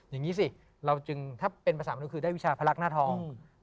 อย่างนี้สิเราจึงถ้าเป็นภาษามนุษย์คือได้วิชาพระรักษ์หน้าทอง